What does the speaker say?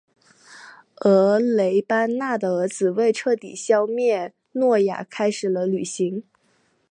而雷班纳的儿子为彻底消灭诺亚开始了旅行。